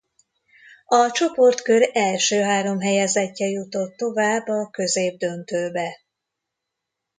A csoportkör első három helyezettje jutott tovább a középdöntőbe.